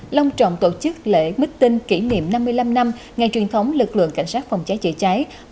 long trọng tổ chức lễ meeting kỷ niệm năm mươi năm năm ngày truyền thống lực lượng cảnh sát phòng cháy chữa cháy